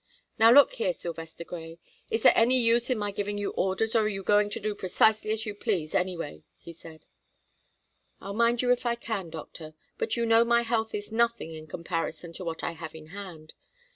"Now, look here, Sylvester Grey, is there any use in my giving you orders, or are you going to do precisely as you please anyway?" he said. "I'll mind you if I can, doctor, but you know my health is nothing in comparison to what I have in hand.